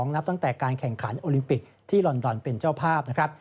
นับตั้งแต่การแข่งขันโอลิมปิกที่ลอนดอนเป็นเจ้าภาพนะครับ